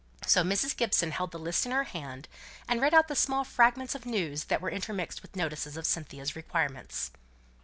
So Mrs. Gibson held the list in her hand, and read out the small fragments of news that were intermixed with notices of Cynthia's requirements.